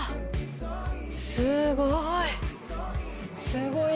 すごい。